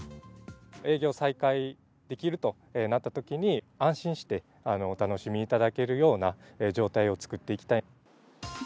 営業再開できるとなったときに、安心してお楽しみいただけるような状態を作っていきたい。